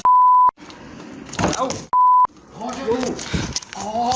ออกแล้วพอด้วยอ๋อ